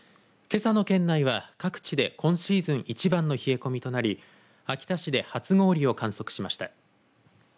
けさの県内は各地で今シーズン一番の冷え込みとなり秋田市で初氷を観測しました。